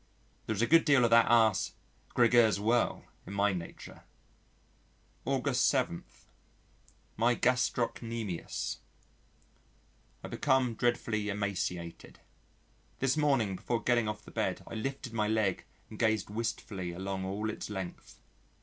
There is a good deal of that ass, Gregers Werle, in my nature. August 7. My Gastrocnemius I become dreadfully emaciated. This morning, before getting off the bed I lifted my leg and gazed wistfully along all its length.